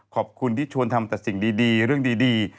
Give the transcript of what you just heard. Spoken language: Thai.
ขอบคุณที่ชวนทำแต่สิ่งดีเรื่องดี